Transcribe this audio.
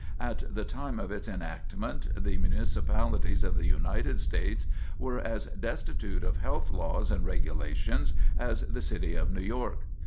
At the time of its enactment the municipalities of the United States were as destitute of health laws and regulations as the City of New York.